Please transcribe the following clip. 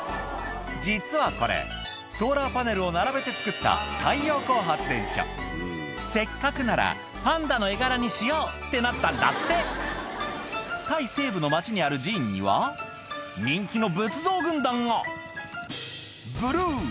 実はこれソーラーパネルを並べて作ったせっかくならパンダの絵柄にしよう！ってなったんだってタイ西部の町にある寺院には人気の仏像軍団がブルー！